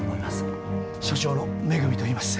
所長の恵といいます。